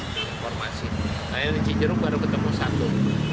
di cicerung baru ketemu satu